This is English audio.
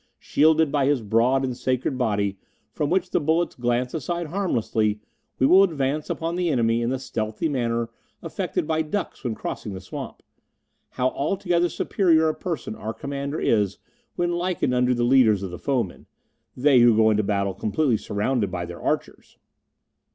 Shielded by his broad and sacred body, from which the bullets glance aside harmlessly, we will advance upon the enemy in the stealthy manner affected by ducks when crossing the swamp. How altogether superior a person our Commander is when likened unto the leaders of the foemen they who go into battle completely surrounded by their archers!"